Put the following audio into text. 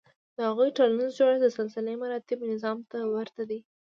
د هغوی ټولنیز جوړښت د سلسلهمراتب نظام ته ورته دی.